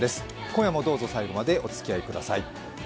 今夜もどうぞ最後までお付き合いください。